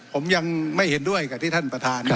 ผมยังไม่เห็นด้วยกับที่ท่านประธาน